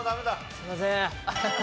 すいません。